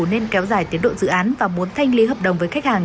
nên kéo dài tiến độ dự án và muốn thanh lý hợp đồng với khách hàng